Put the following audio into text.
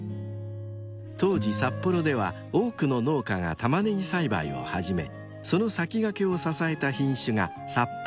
［当時札幌では多くの農家がタマネギ栽培を始めその先駆けを支えた品種が］